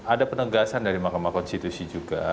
ada penegasan dari mahkamah konstitusi juga